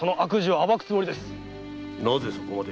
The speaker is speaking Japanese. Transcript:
なぜそこまで？